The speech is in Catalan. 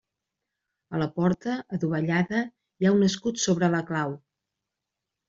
A la porta, adovellada, hi ha un escut sobre la clau.